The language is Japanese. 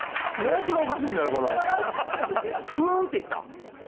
「ふん」って言った？